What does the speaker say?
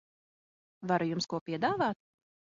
Varu jums ko piedāvāt?